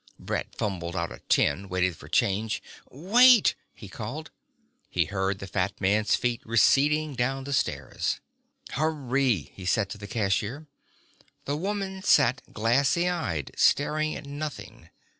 Brett fumbled out a ten, waited for change. "Wait!" he called. He heard the fat man's feet receding down the stairs. "Hurry," he said to the cashier. The woman sat glassy eyed, staring at nothing.